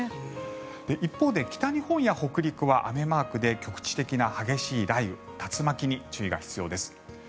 一方で北日本や北陸は雨マークで局地的な激しい雷雨、竜巻に注意が必要です。